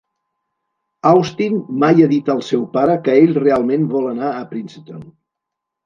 Austin mai ha dit al seu pare que ell realment vol anar a Princeton.